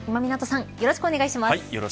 よろしくお願いします。